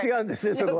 そこは。